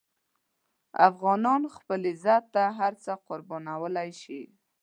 افغان خپل عزت ته هر څه قربانولی شي.